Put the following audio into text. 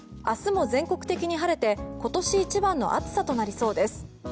明日も全国的に晴れて今年一番の暑さとなりそうです。